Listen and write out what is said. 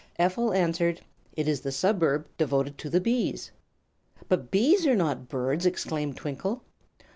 Ephel answered: "It is the suburb devoted to the bees." "But bees are not birds!" exclaimed Twinkle.